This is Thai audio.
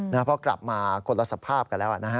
เพราะกลับมาคนละสภาพกันแล้วนะฮะ